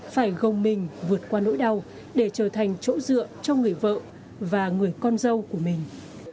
phải gồng mình vượt qua nỗi đau để trở thành chỗ dựa cho người vợ và người con dâu của mình